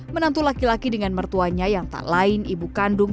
menantu laki laki dengan mertuanya yang tak lain ibu kandung